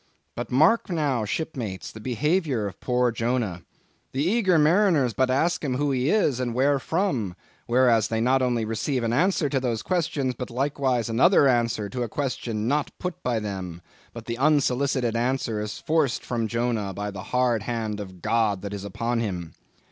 But mark now, my shipmates, the behavior of poor Jonah. The eager mariners but ask him who he is, and where from; whereas, they not only receive an answer to those questions, but likewise another answer to a question not put by them, but the unsolicited answer is forced from Jonah by the hard hand of God that is upon him.